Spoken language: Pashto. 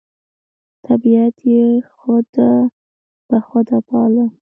طبیعت یې خود بخوده باله،